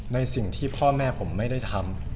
ในสิ่งที่พ่อแม่ผมไม่ได้ทำ